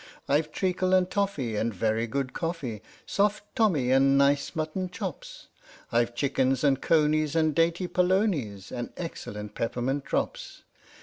I've treacle and toffee and very good coffee, " Soft Tommy " and nice mutton chops, II H.M.S. "PINAFORE" I've chickens and conies and dainty polonies And excellent peppermint drops.